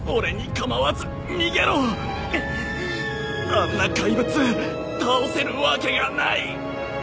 あんな怪物倒せるわけがない。